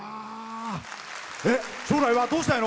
将来はどうしたいの？